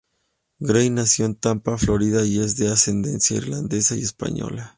Grey nació en Tampa, Florida y es de ascendencia irlandesa y española.